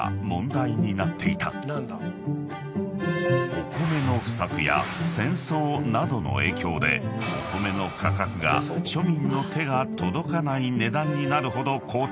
［お米の不作や戦争などの影響でお米の価格が庶民の手が届かない値段になるほど高騰］